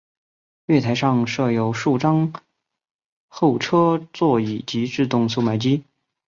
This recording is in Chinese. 月台上设有数张候车座椅及自动售卖机。